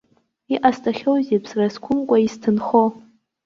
Иҟасҵахьоузеи, ԥсра зқәымкәа исҭынхо?